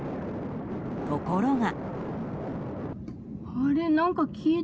ところが。